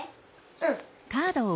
うん。